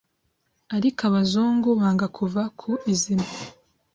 ariko abazungu banga kuva ku izima